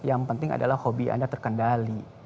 yang penting adalah hobi anda terkendali